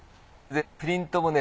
プリントもね